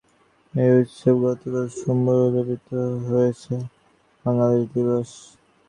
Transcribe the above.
এই উৎসবে গতকাল সোমবার উদ্যাপিত হয়েছে বাংলাদেশ দিবস।